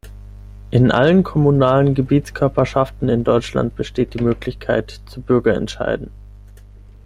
In allen kommunalen Gebietskörperschaften in Deutschland besteht die Möglichkeit zu Bürgerentscheiden.